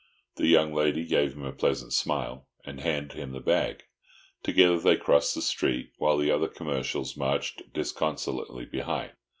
The young lady gave him a pleasant smile, and handed him the bag; together they crossed the street, while the other commercials marched disconsolately behind.